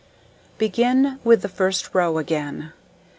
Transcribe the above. Begin with the first row again.